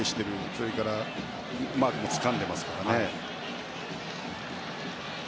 それからマークもつかんでますからね。